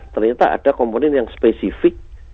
ternyata ada komponen yang spesifik